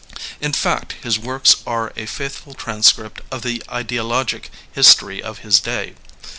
In fact his works are a faithful transcript of the ideologic history of his day.